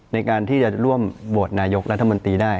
ในการที่จะร่วมโหวตนายกรัฐมนตรีได้